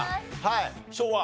昭和？